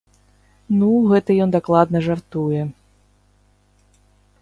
Ну, гэта ён дакладна жартуе!